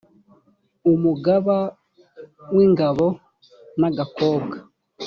umugaba w ingabo n agakobwa